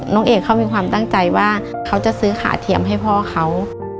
น้องเอกเขามีความตั้งใจว่าเขาจะซื้อขาเทียมให้พ่อเขา